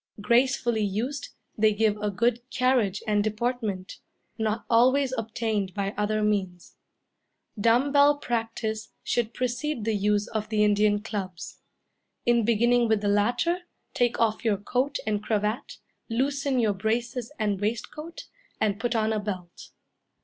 Gracefully used, they give a good carriage and deportment, not always obtained by other means. Dumb bell practice should precede the use of the Indian clubs. In beginning with the latter, take off your coat and cravat, loosen your braces and waistcoat, and put on a belt.